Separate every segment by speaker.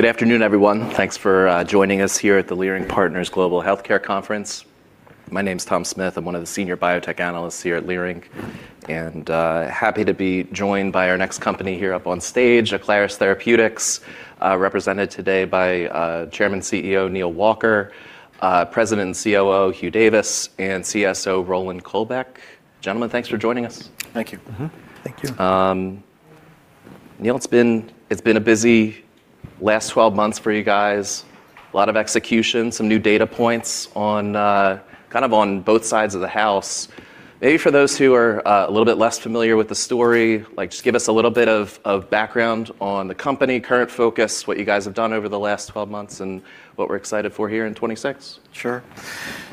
Speaker 1: Good afternoon, everyone. Thanks for joining us here at the Leerink Partners Global Healthcare Conference. My name's Tom Smith. I'm one of the senior biotech analysts here at Leerink, and happy to be joined by our next company here up on stage, Aclaris Therapeutics, represented today by Chairman CEO Neal Walker, President and COO Hugh Davis, and CSO Roland Kolbeck. Gentlemen, thanks for joining us.
Speaker 2: Thank you.
Speaker 3: Mm-hmm.
Speaker 4: Thank you.
Speaker 1: Neal, it's been a busy last 12 months for you guys. A lot of execution, some new data points on kind of on both sides of the house. Maybe for those who are a little bit less familiar with the story, like just give us a little bit of background on the company, current focus, what you guys have done over the last 12 months, and what we're excited for here in 2026.
Speaker 2: Sure.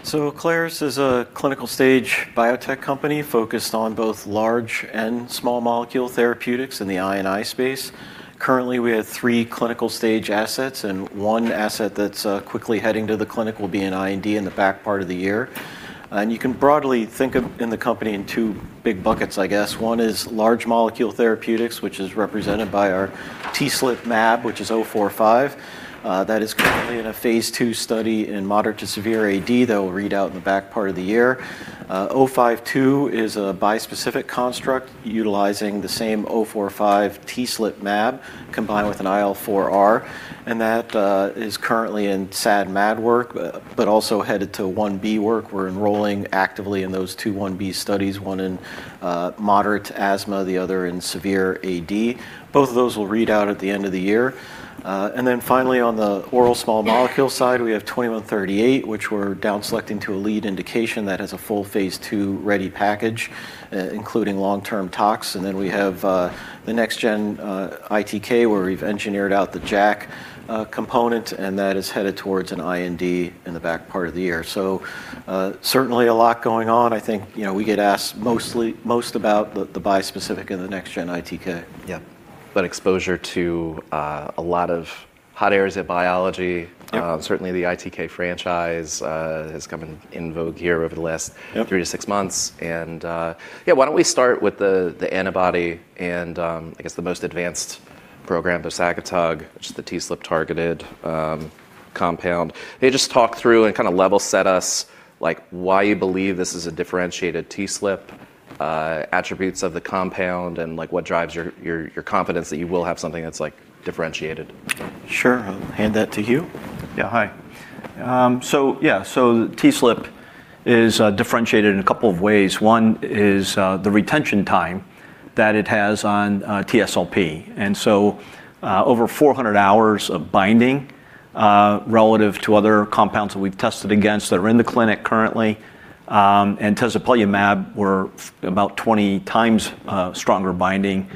Speaker 2: Aclaris is a clinical stage biotech company focused on both large and small molecule therapeutics in the I&I space. Currently, we have 3 clinical stage assets, and 1 asset that's quickly heading to the clinic will be in IND in the back part of the year. You can broadly think of the company in two big buckets, I guess. One is large molecule therapeutics, which is represented by our TSLP mAb, which is ATI-045. That is currently in a phase II study in moderate to severe AD that will read out in the back part of the year. ATI-052 is a bispecific construct utilizing the same ATI-045 TSLP mAb combined with an IL-4R. That is currently in SAD/MAD work, but also headed to 1b work. We're enrolling actively in those two 1b studies, one in moderate asthma, the other in severe AD. Both of those will read out at the end of the year. Finally on the oral small molecule side, we have ATI-2138, which we're down selecting to a lead indication that has a full phase II ready package, including long-term tox. We have the next-gen ITK, where we've engineered out the JAK component, and that is headed towards an IND in the back part of the year. Certainly a lot going on. I think, you know, we get asked mostly about the bispecific and the next-gen ITK.
Speaker 1: Yeah. Exposure to a lot of hot areas of biology.
Speaker 2: Yep.
Speaker 1: Certainly the ITK franchise has come in vogue here over the last.
Speaker 2: Yep
Speaker 1: 3-6 months. Yeah, why don't we start with the antibody and I guess the most advanced program, the bosakitug, which is the TSLP-targeted compound. Maybe just talk through and kind of level set us, like why you believe this is a differentiated TSLP, attributes of the compound and like what drives your confidence that you will have something that's like differentiated.
Speaker 2: Sure. I'll hand that to Hugh.
Speaker 4: Yeah, hi. TSLP is differentiated in a couple of ways. One is the retention time that it has on TSLP, and so over 400 hours of binding relative to other compounds that we've tested against that are in the clinic currently, and tezepelumab were about 20 times stronger binding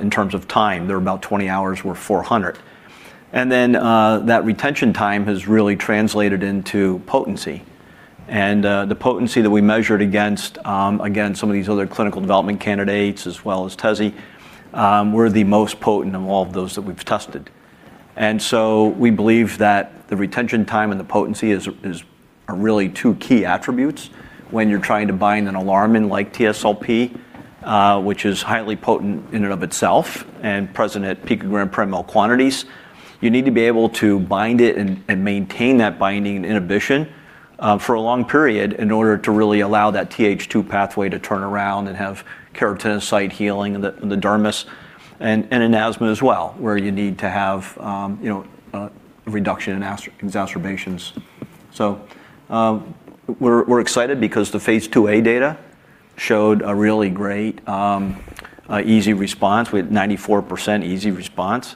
Speaker 4: in terms of time. They're about 20 hours, we're 400. Then that retention time has really translated into potency. The potency that we measured against again some of these other clinical development candidates as well as Tezspire, we're the most potent in all of those that we've tested. We believe that the retention time and the potency are really two key attributes when you're trying to bind an alarmin like TSLP, which is highly potent in and of itself, and present at picogram per ml quantities. You need to be able to bind it and maintain that binding inhibition for a long period in order to really allow that Th2 pathway to turn around and have keratinocyte healing in the dermis and in asthma as well, where you need to have reduction in asthma exacerbations. We're excited because the phase II-A data showed a really great EASI response with 94% EASI response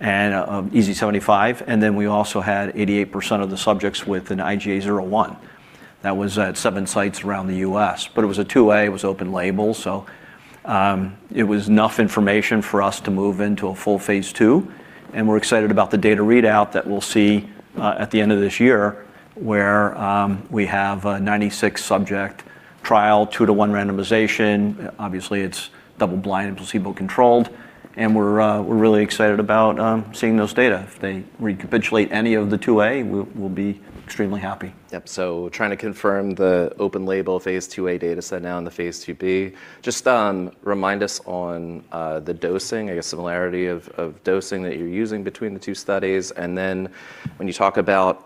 Speaker 4: and EASI-75, and then we also had 88% of the subjects with an IGA 0/1. That was at 7 sites around the U.S., but it was a 2A. It was open label, so it was enough information for us to move into a full phase II, and we're excited about the data readout that we'll see at the end of this year, where we have a 96-subject trial, 2-to-1 randomization. Obviously, it's double-blind and placebo-controlled, and we're really excited about seeing those data. If they recapitulate any of the 2A, we'll be extremely happy.
Speaker 1: Yep. Trying to confirm the open-label phase II-A dataset now in the phase II-B. Just remind us on the dosing, I guess similarity of dosing that you're using between the two studies, and then when you talk about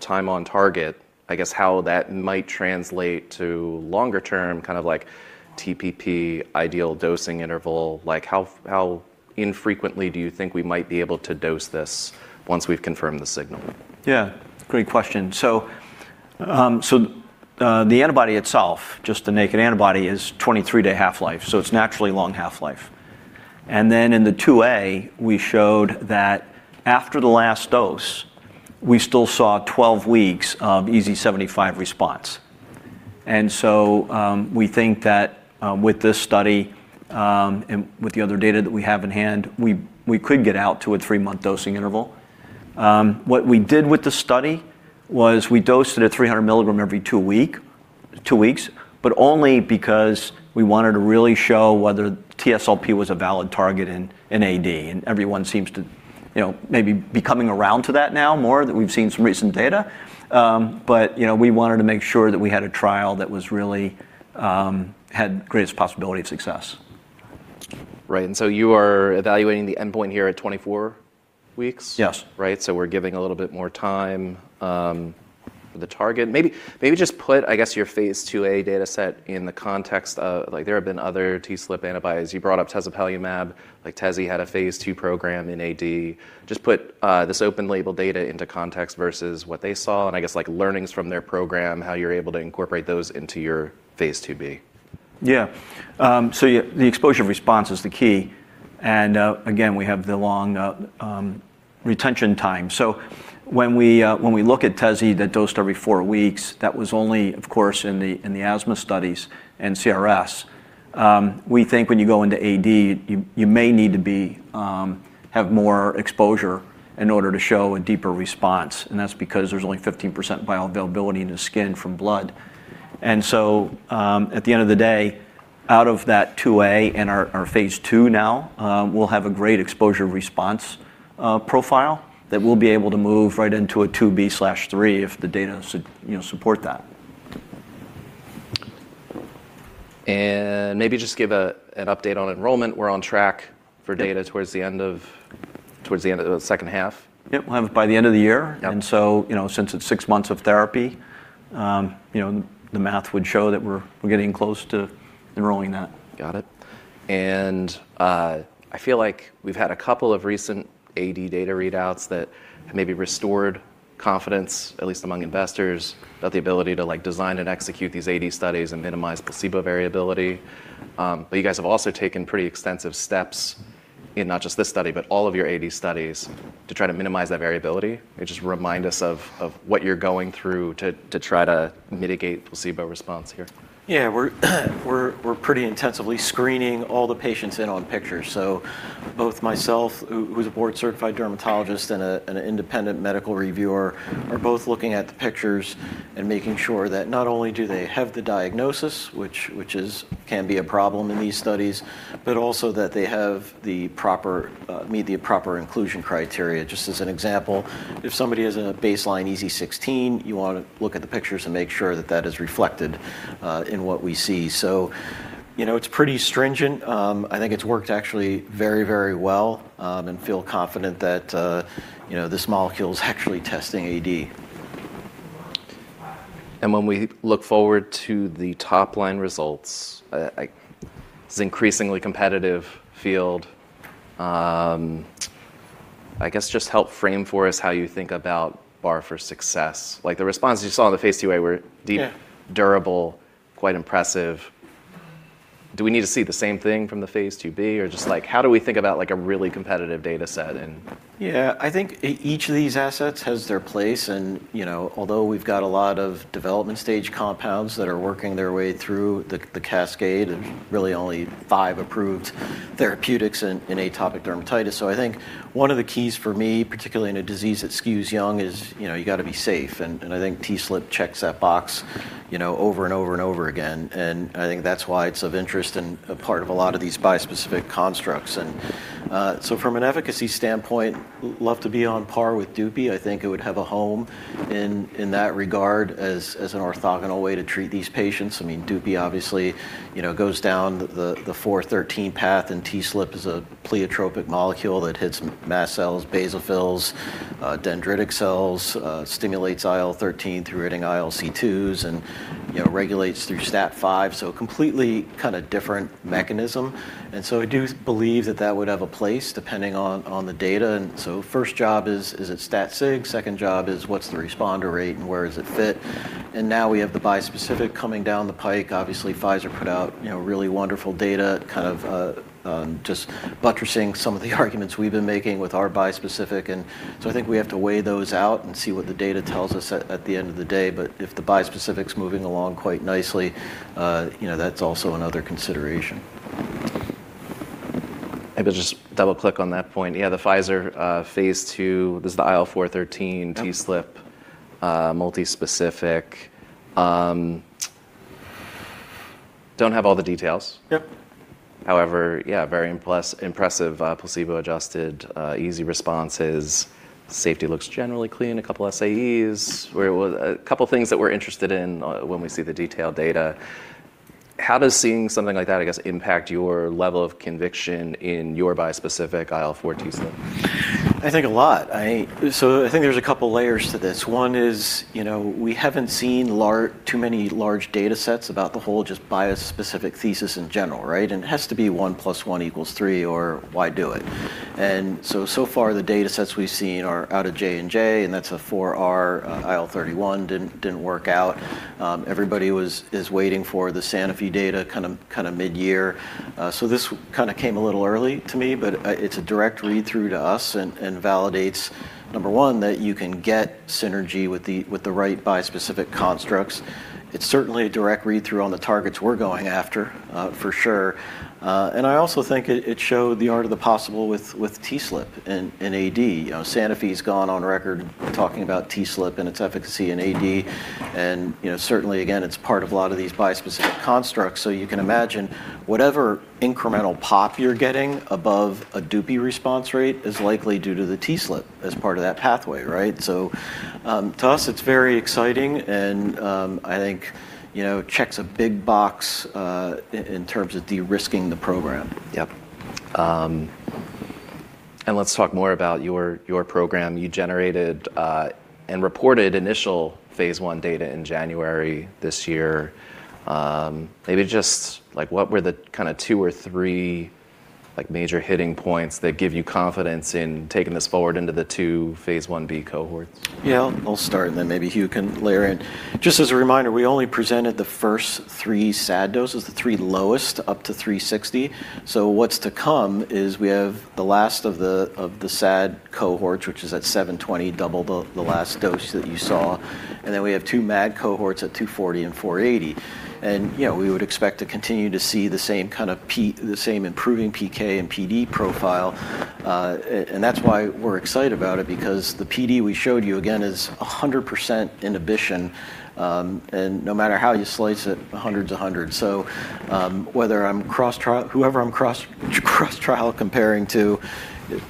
Speaker 1: time on target, I guess how that might translate to longer-term, kind of like TPP, ideal dosing interval, like how infrequently do you think we might be able to dose this once we've confirmed the signal?
Speaker 2: Yeah. Great question. The antibody itself, just the naked antibody is 23-day half-life, so it's naturally long half-life. In the 2A, we showed that after the last dose, we still saw 12 weeks of EASI-75 response. We think that with this study and with the other data that we have in hand, we could get out to a 3-month dosing interval. What we did with the study was we dosed at a 300 mg every two weeks, but only because we wanted to really show whether TSLP was a valid target in AD, and everyone seems to You know, maybe be coming around to that now more that we've seen some recent data. You know, we wanted to make sure that we had a trial that was really had greatest possibility of success.
Speaker 1: Right. You are evaluating the endpoint here at 24 weeks?
Speaker 2: Yes.
Speaker 1: Right. We're giving a little bit more time, the target. Maybe just put, I guess, your phase II-A data set in the context of, like, there have been other TSLP antibodies. You brought up tezepelumab, like Tezspire had a phase II program in AD. Just put this open label data into context versus what they saw and I guess, like, learnings from their program, how you're able to incorporate those into your phase II-B.
Speaker 2: Yeah. The exposure response is the key, and again, we have the long retention time. When we look at Tezspire that dosed every 4 weeks, that was only of course in the asthma studies and CRSwNP. We think when you go into AD, you may need to have more exposure in order to show a deeper response. That's because there's only 15% bioavailability in the skin from blood. At the end of the day, out of that phase II-A and our phase II now, we'll have a great exposure response profile that we'll be able to move right into a phase II-B/III if the data you know, support that.
Speaker 1: Maybe just give an update on enrollment. We're on track for data towards the end of the second half.
Speaker 2: Yep. We'll have it by the end of the year.
Speaker 1: Yep.
Speaker 2: You know, since it's six months of therapy, you know, the math would show that we're getting close to enrolling that.
Speaker 1: Got it. I feel like we've had a couple of recent AD data readouts that maybe restored confidence, at least among investors, about the ability to, like, design and execute these AD studies and minimize placebo variability. But you guys have also taken pretty extensive steps in not just this study, but all of your AD studies to try to minimize that variability. Just remind us of what you're going through to try to mitigate placebo response here.
Speaker 2: Yeah. We're pretty intensively screening all the patients in on pictures. So both myself, who's a board-certified dermatologist and an independent medical reviewer, are both looking at the pictures and making sure that not only do they have the diagnosis, which can be a problem in these studies, but also that they meet the proper inclusion criteria. Just as an example, if somebody has a baseline EASI 16, you wanna look at the pictures and make sure that that is reflected in what we see. So, you know, it's pretty stringent. I think it's worked actually very, very well, and feel confident that, you know, this molecule's actually testing AD.
Speaker 1: When we look forward to the top-line results, this increasingly competitive field, I guess just help frame for us how you think about bar for success. Like the responses you saw in the phase II-A were deep.
Speaker 2: Yeah
Speaker 1: Durable, quite impressive. Do we need to see the same thing from the phase II-B? Or just like how do we think about like a really competitive data set and
Speaker 2: Yeah. I think each of these assets has their place and, you know, although we've got a lot of development stage compounds that are working their way through the cascade and really only 5 approved therapeutics in atopic dermatitis. I think one of the keys for me, particularly in a disease that skews young is, you know, you gotta be safe. I think TSLP checks that box, you know, over and over and over again. I think that's why it's of interest and a part of a lot of these bispecific constructs. From an efficacy standpoint, love to be on par with Dupixent. I think it would have a home in that regard as an orthogonal way to treat these patients. I mean, Dupixent obviously, you know, goes down the IL-13 path, and TSLP is a pleiotropic molecule that hits mast cells, basophils, dendritic cells, stimulates IL-13 through hitting ILC2s and, you know, regulates through STAT5. So completely kinda different mechanism. I do believe that would have a place depending on the data. First job is it stat sig? Second job is what's the responder rate and where does it fit? Now we have the bispecific coming down the pike. Obviously, Pfizer put out, you know, really wonderful data, kind of just buttressing some of the arguments we've been making with our bispecific. I think we have to weigh those out and see what the data tells us at the end of the day. If the bispecific's moving along quite nicely, you know, that's also another consideration.
Speaker 1: If I could just double-click on that point. Yeah, the Pfizer phase II. This is the IL-4 TSLP-
Speaker 2: Yep
Speaker 1: Multispecific. Don't have all the details.
Speaker 2: Yep.
Speaker 1: However, yeah, very impressive, placebo-adjusted EASI responses. Safety looks generally clean. A couple SAEs. We're a couple things that we're interested in, when we see the detailed data. How does seeing something like that, I guess, impact your level of conviction in your bispecific IL-4 TSLP?
Speaker 2: I think there's a couple layers to this. One is, you know, we haven't seen too many large data sets about the whole just bispecific thesis in general, right? It has to be one plus one equals three, or why do it? So far the data sets we've seen are out of J&J, and that's an IL-4R IL-31. Didn't work out. Everybody is waiting for the Sanofi data kind of midyear. So this kinda came a little early to me, but it's a direct read-through to us and validates, number one, that you can get synergy with the right bispecific constructs. It's certainly a direct read-through on the targets we're going after, for sure. I also think it showed the art of the possible with TSLP in AD. You know, Sanofi's gone on record talking about TSLP and its efficacy in AD. You know, certainly, again, it's part of a lot of these bispecific constructs. You can imagine whatever incremental pop you're getting above a Dupixent response rate is likely due to the TSLP as part of that pathway, right? To us, it's very exciting and I think, you know, checks a big box in terms of de-risking the program.
Speaker 1: Yep.
Speaker 2: Um-
Speaker 1: Let's talk more about your program. You generated and reported initial phase I data in January this year. Maybe just, like, what were the kinda two or three, like, major hitting points that give you confidence in taking this forward into the two phase I-B cohorts?
Speaker 2: Yeah. I'll start and then maybe Hugh can layer in. Just as a reminder, we only presented the first three SAD doses, the three lowest up to 360. What's to come is we have the last of the SAD cohorts, which is at 720, double the last dose that you saw, and then we have two MAD cohorts at 240 and 480. You know, we would expect to continue to see the same improving PK and PD profile, and that's why we're excited about it because the PD we showed you, again, is 100% inhibition, and no matter how you slice it, 100's 100. Whether I'm cross-trial comparing to, whoever I'm cross-trial comparing to,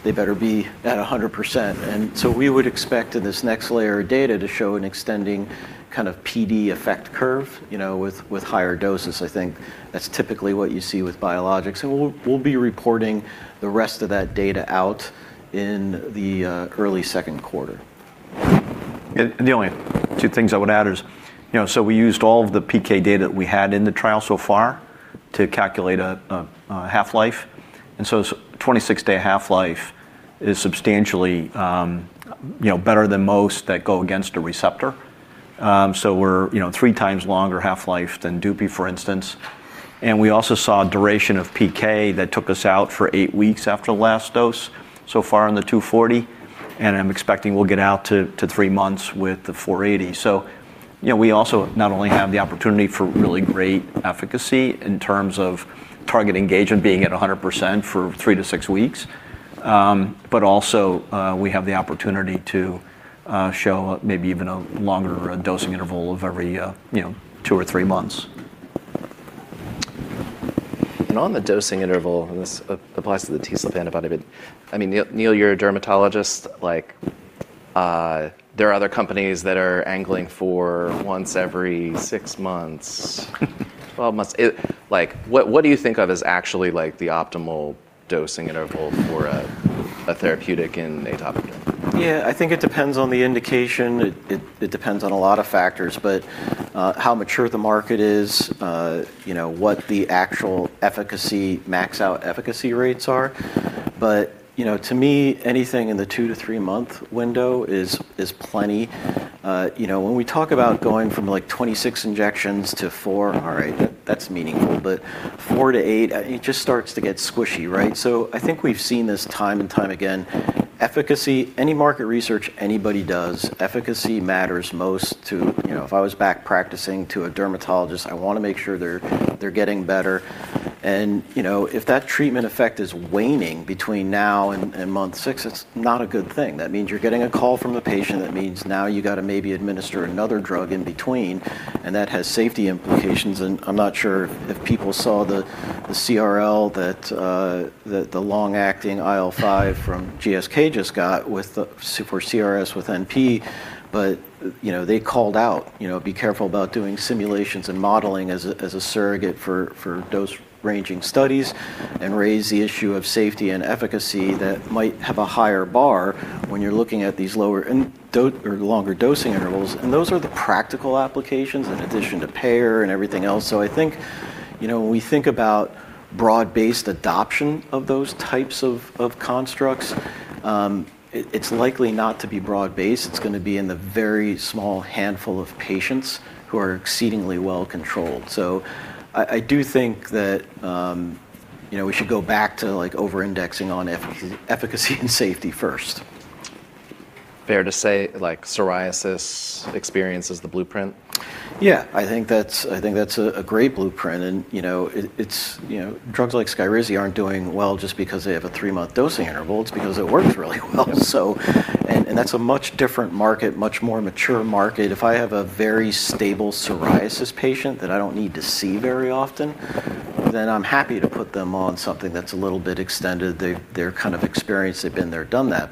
Speaker 2: they better be at 100%. We would expect in this next layer of data to show an extending kind of PD effect curve, you know, with higher doses. I think that's typically what you see with biologics, and we'll be reporting the rest of that data out in the early second quarter.
Speaker 4: The only two things I would add is, you know, we used all of the PK data that we had in the trial so far to calculate a half-life, and a 26-day half-life is substantially, you know, better than most that go against a receptor. So we're, you know, three times longer half-life than Dupixent, for instance. We also saw a duration of PK that took us out for 8 weeks after the last dose so far in the 240, and I'm expecting we'll get out to 3 months with the 480. you know, we also not only have the opportunity for really great efficacy in terms of target engagement being at 100% for 3-6 weeks, but also, we have the opportunity to show maybe even a longer dosing interval of every, you know, 2 or 3 months.
Speaker 1: On the dosing interval, and this applies to the TSLP antibody, but, I mean, Neil, you're a dermatologist. Like, there are other companies that are angling for once every 6 months, 12 months. Like, what do you think of as actually, like, the optimal dosing interval for a therapeutic in atopic dermatitis?
Speaker 2: Yeah, I think it depends on the indication. It depends on a lot of factors, but how mature the market is, you know, what the actual efficacy, max out efficacy rates are. You know, to me, anything in the 2-3-month window is plenty. You know, when we talk about going from, like, 26 injections to 4, all right, that's meaningful, but 4-8, it just starts to get squishy, right? I think we've seen this time and time again. Efficacy, any market research anybody does, efficacy matters most. You know, if I was back practicing to a dermatologist, I wanna make sure they're getting better. You know, if that treatment effect is waning between now and month 6, it's not a good thing. That means you're getting a call from a patient, that means now you gotta maybe administer another drug in between, and that has safety implications. I'm not sure if people saw the CRL that the long-acting IL-5 from GSK just got with the severe CRSwNP with NP, but, you know, they called out, you know, be careful about doing simulations and modeling as a surrogate for dose ranging studies and raise the issue of safety and efficacy that might have a higher bar when you're looking at these lower in dose or longer dosing intervals. Those are the practical applications in addition to payer and everything else. I think, you know, when we think about broad-based adoption of those types of constructs, it's likely not to be broad-based. It's gonna be in the very small handful of patients who are exceedingly well controlled. I do think that, you know, we should go back to, like, over-indexing on efficacy and safety first.
Speaker 1: Fair to say, like, psoriasis experience is the blueprint?
Speaker 2: Yeah. I think that's a great blueprint and, you know, it's, you know, drugs like SKYRIZI aren't doing well just because they have a three-month dosing interval, it's because it works really well.
Speaker 1: Yep.
Speaker 2: That's a much different market, much more mature market. If I have a very stable psoriasis patient that I don't need to see very often, then I'm happy to put them on something that's a little bit extended. They're kind of experienced. They've been there, done that.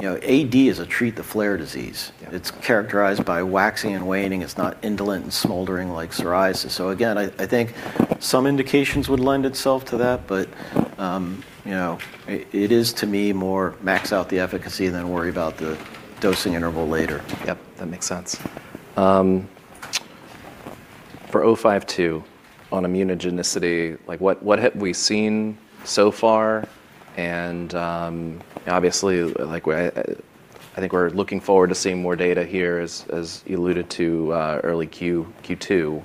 Speaker 2: You know, AD is a treat the flare disease.
Speaker 1: Yeah.
Speaker 2: It's characterized by waxing and waning. It's not indolent and smoldering like psoriasis. Again, I think some indications would lend itself to that. You know, it is to me more max out the efficacy than worry about the dosing interval later.
Speaker 1: Yep, that makes sense. For 052 on immunogenicity, what have we seen so far? Obviously, I think we're looking forward to seeing more data here as you alluded to, early Q2.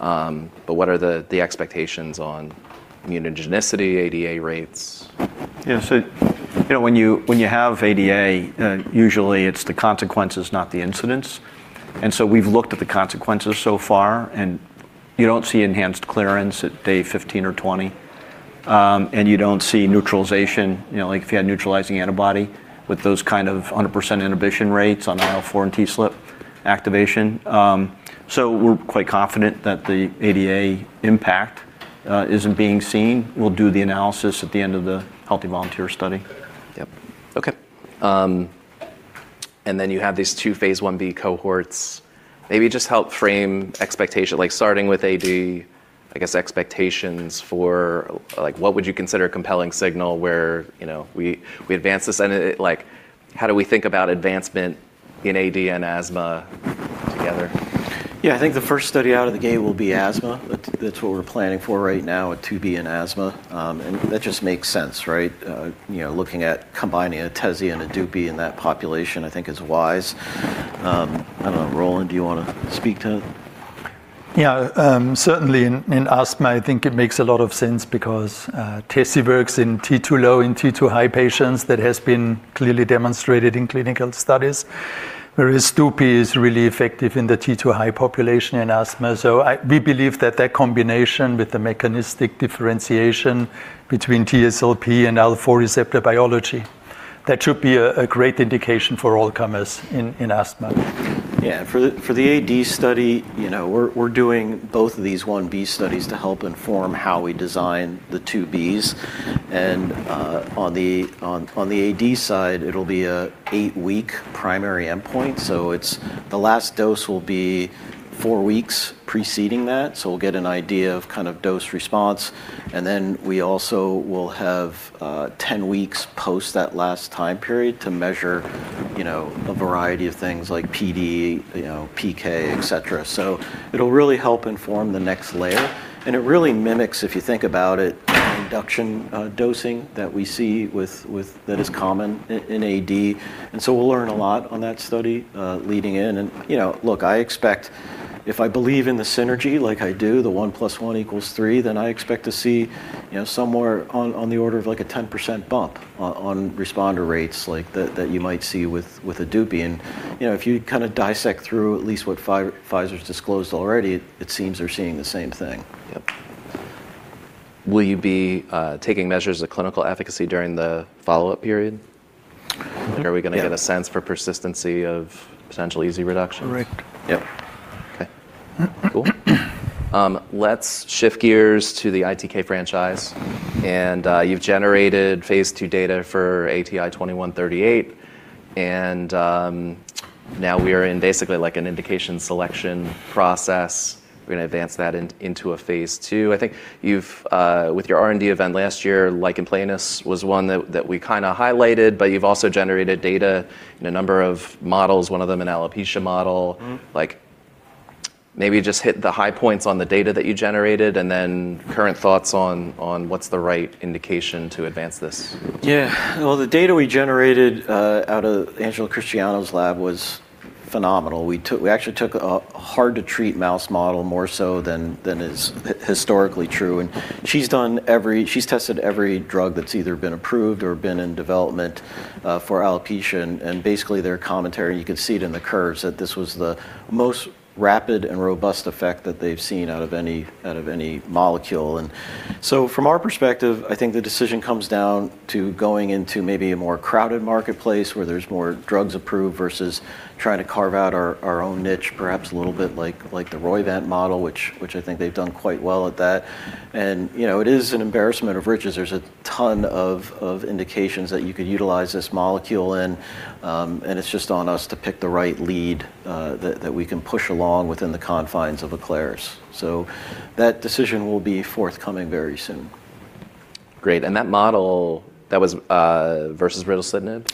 Speaker 1: But what are the expectations on immunogenicity, ADA rates?
Speaker 4: Yeah. You know, when you have ADA, usually it's the consequences, not the incidents. We've looked at the consequences so far, and you don't see enhanced clearance at day 15 or 20. You don't see neutralization, you know, like if you had neutralizing antibody with those kind of 100% inhibition rates on IL-4 and TSLP activation. We're quite confident that the ADA impact isn't being seen. We'll do the analysis at the end of the healthy volunteer study.
Speaker 1: Yep. Okay. Then you have these two phase I-B cohorts. Maybe just help frame expectation, like starting with AD. I guess expectations for, like what would you consider a compelling signal where, you know, we advance this and it like how do we think about advancement in AD and asthma together?
Speaker 2: Yeah, I think the first study out of the gate will be asthma. That's what we're planning for right now, a 2b in asthma. That just makes sense, right? You know, looking at combining tezepelumab and dupilumab in that population I think is wise. I don't know, Roland, do you wanna speak to it?
Speaker 3: Yeah, certainly in asthma I think it makes a lot of sense because Tezspire works in T2-low and T2-high patients that has been clearly demonstrated in clinical studies. Whereas dupilumab is really effective in the T2-high population in asthma. We believe that combination with the mechanistic differentiation between TSLP and IL-4 receptor biology, that should be a great indication for all comers in asthma.
Speaker 2: Yeah. For the AD study, you know, we're doing both of these 1b studies to help inform how we design the 2bs. On the AD side, it'll be a 8-week primary endpoint. It's the last dose will be 4 weeks preceding that, so we'll get an idea of kind of dose response. Then we also will have 10 weeks post that last time period to measure, you know, a variety of things like PD, you know, PK, et cetera. It'll really help inform the next layer and it really mimics, if you think about it, induction dosing that we see with that is common in AD. We'll learn a lot on that study, leading in and, you know, look, I expect if I believe in the synergy like I do, the one plus one equals three, then I expect to see, you know, somewhere on the order of like a 10% bump on responder rates like that that you might see with dupilumab. You know, if you kind of dissect through at least what Pfizer's disclosed already, it seems they're seeing the same thing.
Speaker 1: Yep. Will you be taking measures of clinical efficacy during the follow-up period?
Speaker 2: Yeah.
Speaker 1: Like, are we gonna get a sense for persistency of potential EASI reductions?
Speaker 3: Correct.
Speaker 1: Yep. Okay. Cool. Let's shift gears to the ITK franchise. You've generated phase II data for ATI-2138, and now we are in basically like an indication selection process. We're gonna advance that into a phase II. I think you've with your R&D event last year, lichen planus was one that we kind of highlighted, but you've also generated data in a number of models, one of them an alopecia model.
Speaker 2: Mm-hmm.
Speaker 1: Like, maybe just hit the high points on the data that you generated and then current thoughts on what's the right indication to advance this.
Speaker 2: Yeah. Well, the data we generated out of Angela Christiano's lab was phenomenal. We actually took a hard-to-treat mouse model more so than is historically true, and she's tested every drug that's either been approved or been in development for alopecia and basically their commentary, you could see it in the curves, that this was the most rapid and robust effect that they've seen out of any molecule. From our perspective, I think the decision comes down to going into maybe a more crowded marketplace where there's more drugs approved versus trying to carve out our own niche, perhaps a little bit like the Roivant model, which I think they've done quite well at that. You know, it is an embarrassment of riches. There's a ton of indications that you could utilize this molecule in, and it's just on us to pick the right lead, that we can push along within the confines of Aclaris. That decision will be forthcoming very soon.
Speaker 1: Great. That model, that was, versus ritlecitinib?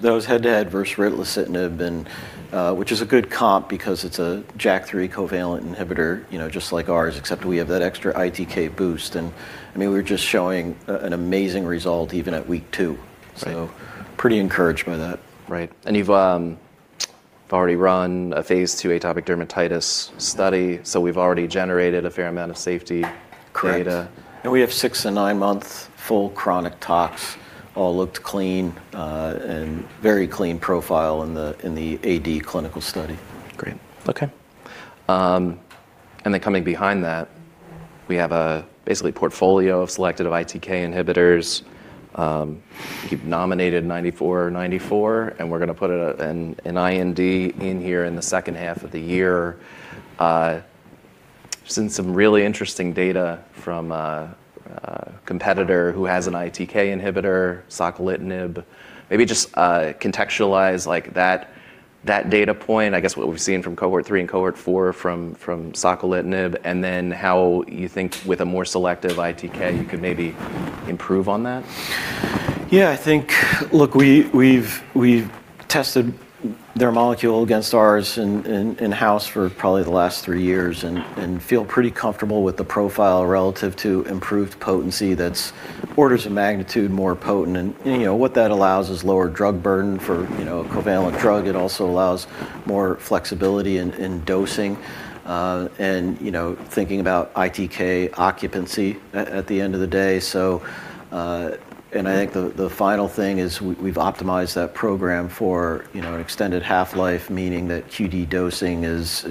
Speaker 2: That was head-to-head versus ritlecitinib and, which is a good comp because it's a JAK3 covalent inhibitor, you know, just like ours, except we have that extra ITK boost. I mean, we're just showing an amazing result even at week two.
Speaker 1: Right.
Speaker 2: Pretty encouraged by that.
Speaker 1: Right. You've already run a phase II atopic dermatitis study, so we've already generated a fair amount of safety data.
Speaker 2: Correct. We have 6- and 9-month full chronic tox, all looked clean, and very clean profile in the AD clinical study.
Speaker 1: Great. Okay. Then coming behind that, we have basically a portfolio of selective ITK inhibitors. You've nominated ATI-9494, and we're going to put an IND in here in the second half of the year. Seen some really interesting data from a competitor who has an ITK inhibitor, ritlecitinib. Maybe just contextualize like that data point, I guess what we've seen from cohort 3 and cohort 4 from ritlecitinib, and then how you think with a more selective ITK you could maybe improve on that.
Speaker 2: Yeah, I think, look, we've tested their molecule against ours in-house for probably the last three years and feel pretty comfortable with the profile relative to improved potency that's orders of magnitude more potent. You know, what that allows is lower drug burden for a covalent drug. It also allows more flexibility in dosing and, you know, thinking about ITK occupancy at the end of the day. I think the final thing is we've optimized that program for an extended half-life, meaning that QD dosing is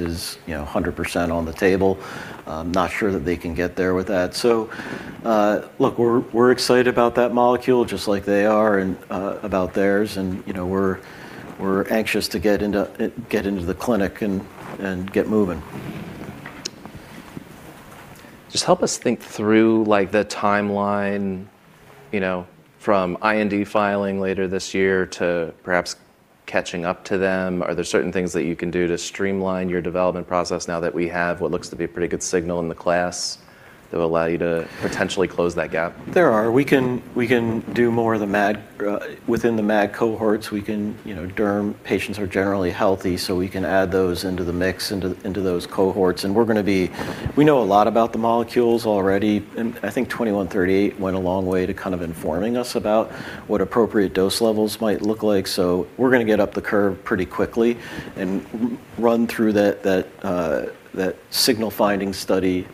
Speaker 2: 100% on the table. I'm not sure that they can get there with that. Look, we're excited about that molecule just like they are and about theirs and, you know, we're anxious to get into the clinic and get moving.
Speaker 1: Just help us think through, like, the timeline, you know, from IND filing later this year to perhaps catching up to them. Are there certain things that you can do to streamline your development process now that we have what looks to be a pretty good signal in the class that will allow you to potentially close that gap?
Speaker 2: There are. We can do more of the MAD within the MAD cohorts. You know, derm patients are generally healthy, so we can add those into the mix into those cohorts, and we know a lot about the molecules already, and I think ATI-2138 went a long way to kind of informing us about what appropriate dose levels might look like. We're gonna get up the curve pretty quickly and run through that signal finding study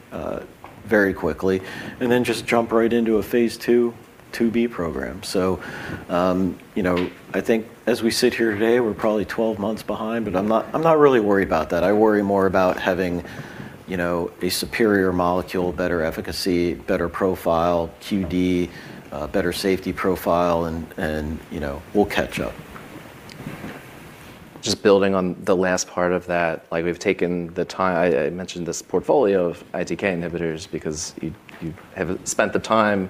Speaker 2: very quickly and then just jump right into a phase II II-B program. You know, I think as we sit here today, we're probably 12 months behind, but I'm not really worried about that. I worry more about having, you know, a superior molecule, better efficacy, better profile, QD, a better safety profile, and you know, we'll catch up.
Speaker 1: Just building on the last part of that, like I mentioned this portfolio of ITK inhibitors because you have spent the time,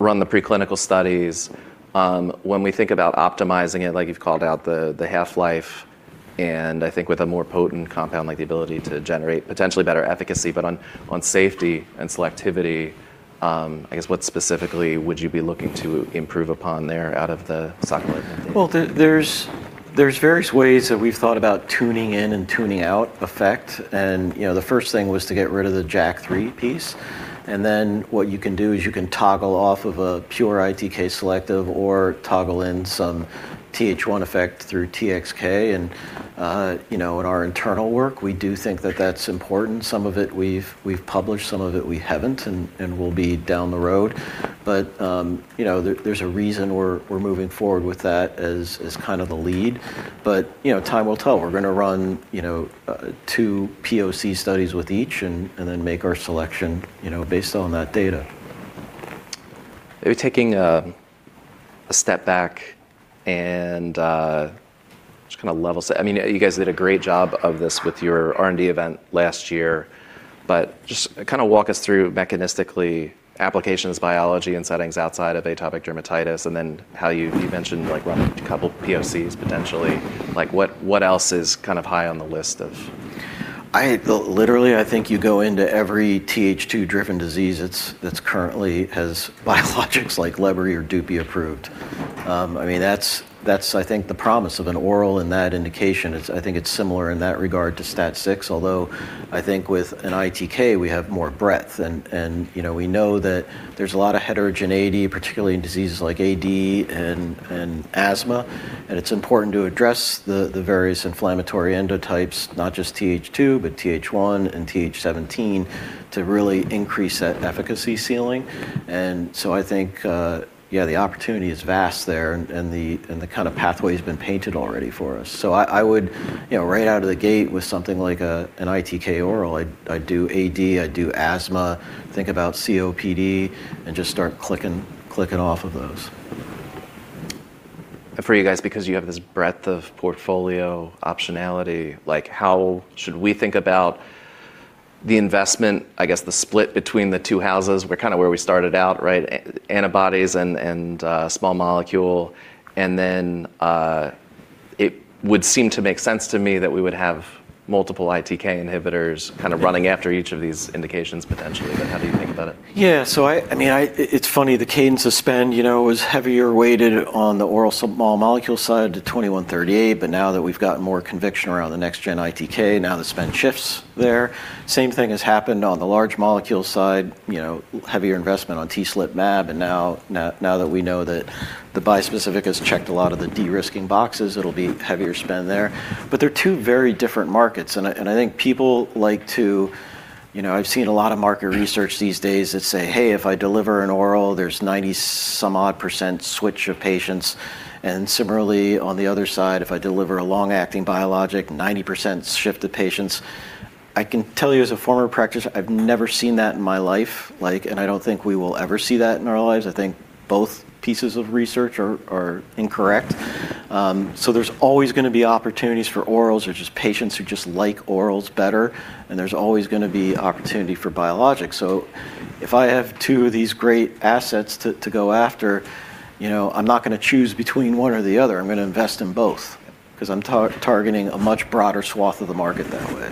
Speaker 1: run the preclinical studies. When we think about optimizing it, like you've called out the half-life and I think with a more potent compound, like the ability to generate potentially better efficacy, but on safety and selectivity, I guess what specifically would you be looking to improve upon there out of the cycle?
Speaker 2: Well, there's various ways that we've thought about tuning in and tuning out effect and, you know, the first thing was to get rid of the JAK3 piece, and then what you can do is you can toggle off of a pure ITK selective or toggle in some Th1 effect through TXK and, you know, in our internal work, we do think that that's important. Some of it we've published, some of it we haven't and will be down the road. You know, there's a reason we're moving forward with that as kind of the lead. You know, time will tell. We're gonna run, you know, two POC studies with each and then make our selection, you know, based on that data.
Speaker 1: Maybe taking a step back and just kind of level set. I mean, you guys did a great job of this with your R&D event last year, but just kinda walk us through mechanistically applications, biology, and settings outside of atopic dermatitis and then how you mentioned like running a couple POCs potentially. Like what else is kind of high on the list of-
Speaker 2: Literally, I think you go into every Th2-driven disease that's currently has biologics like ADBRY or Dupixent approved. I mean, that's I think the promise of an oral in that indication. I think it's similar in that regard to STAT6, although I think with an ITK, we have more breadth and, you know, we know that there's a lot of heterogeneity, particularly in diseases like AD and asthma, and it's important to address the various inflammatory endotypes, not just Th2, but Th1 and Th17 to really increase that efficacy ceiling. I think, the opportunity is vast there and the kind of pathway's been painted already for us. I would, you know, right out of the gate with something like an ITK oral, I'd do AD, I'd do asthma, think about COPD, and just start clicking off of those.
Speaker 1: For you guys, because you have this breadth of portfolio optionality, like how should we think about the investment, I guess the split between the two houses, where kind of where we started out, right? Antibodies and small molecule. Then it would seem to make sense to me that we would have multiple ITK inhibitors kind of running after each of these indications potentially, but how do you think about it?
Speaker 2: Yeah. I mean, it's funny, the cadence of spend, you know, was heavier weighted on the oral small molecule side to ATI-2138, but now that we've got more conviction around the next gen ITK, the spend shifts there. Same thing has happened on the large molecule side, you know, heavier investment on TSLP mAb, and now that we know that the bispecific has checked a lot of the de-risking boxes, it'll be heavier spend there. But they're two very different markets, and I think people like to. You know, I've seen a lot of market research these days that say, "Hey, if I deliver an oral, there's 90-some odd% switch of patients, and similarly, on the other side, if I deliver a long-acting biologic, 90% shift of patients." I can tell you as a former practitioner, I've never seen that in my life, like, and I don't think we will ever see that in our lives. I think both pieces of research are incorrect. There's always gonna be opportunities for orals or just patients who just like orals better, and there's always gonna be opportunity for biologics. If I have two of these great assets to go after, you know, I'm not gonna choose between one or the other. I'm gonna invest in both 'cause I'm targeting a much broader swath of the market that way.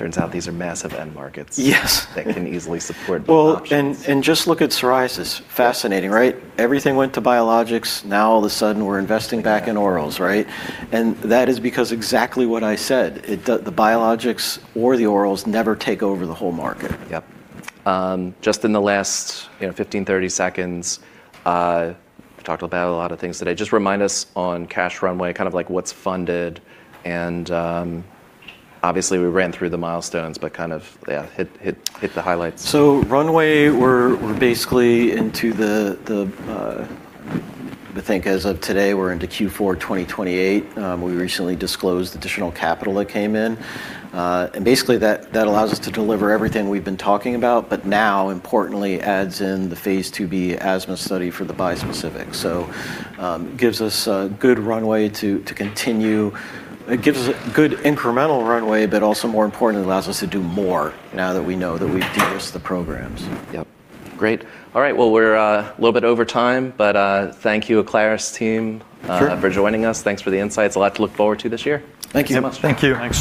Speaker 1: Turns out these are massive end markets.
Speaker 2: Yes.
Speaker 1: that can easily support both options.
Speaker 2: Well, just look at psoriasis. Fascinating, right? Everything went to biologics. Now all of a sudden we're investing back in orals, right? That is because exactly what I said. The biologics or the orals never take over the whole market.
Speaker 1: Yep. Just in the last, you know, 15, 30 seconds, we talked about a lot of things today. Just remind us on cash runway, kind of like what's funded and, obviously we ran through the milestones, but kind of, yeah, hit the highlights.
Speaker 2: Runway. I think as of today, we're into Q4 2028. We recently disclosed additional capital that came in. Basically that allows us to deliver everything we've been talking about, but now importantly adds in the phase II-B asthma study for the bispecific. Gives us a good runway to continue. It gives us good incremental runway, but also more importantly allows us to do more now that we know that we've de-risked the programs.
Speaker 1: Yep. Great. All right. Well, we're a little bit over time, but, thank you Aclaris team.
Speaker 2: Sure
Speaker 1: For joining us. Thanks for the insights. A lot to look forward to this year.
Speaker 2: Thank you so much.
Speaker 3: Thank you.
Speaker 2: Thanks.